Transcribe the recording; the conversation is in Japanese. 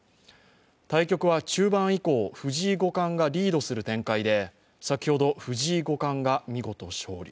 対局は中盤以降、藤井五冠がリードする展開で先ほど藤井五冠が見事勝利。